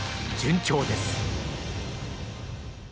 順調です。